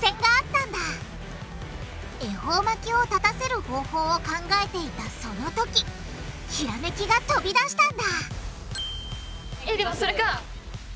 恵方巻きを立たせる方法を考えていたそのときひらめきが飛び出したんだそれか！